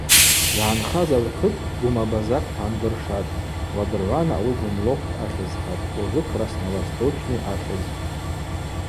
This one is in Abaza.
Йгӏанхаз агӏвкыткӏ Гвымабазакт гӏандыршатӏ, уадыргӏвана ауи Гвымлокт ахьызхатӏ, ужвы Красновосточный ахьызпӏ.